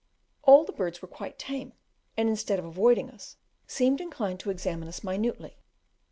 All the birds were quite tame, and, instead of avoiding us, seemed inclined to examine us minutely.